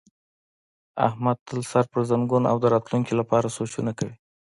احمد تل سر په زنګون او د راتونکي لپاره سوچونه کوي.